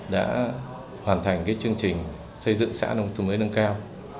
đã hoàn thành cái chương trình xây dựng xã nông tù mới nâng cao